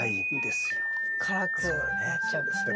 辛くなっちゃうんですね。